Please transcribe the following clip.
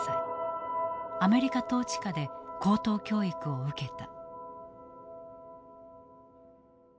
アメリカ統治下で高等教育を受けた。